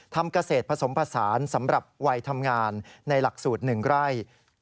ทำเกษตรผสมผสานสำหรับวัยทำงานในหลักสูตร๑ไร่